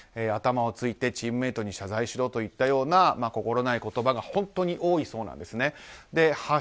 頭をついてチームメートに謝罪しろといったような心ない言葉が本当に多いそうなんです。